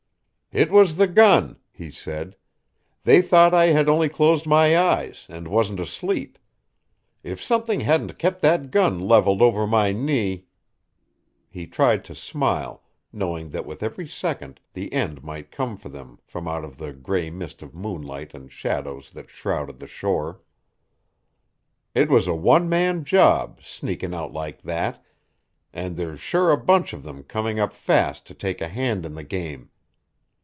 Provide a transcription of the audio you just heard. "It was the gun," he said. "They thought I had only closed my eyes, and wasn't asleep. If something hadn't kept that gun leveled over my knee " He tried to smile, knowing that with every second the end might come for them from out of the gray mist of moonlight and shadow that shrouded the shore. "It was a one man job, sneaking out like that, and there's sure a bunch of them coming up fast to take a hand in the game.